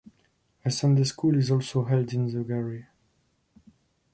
A Sunday school is also held in the gallery.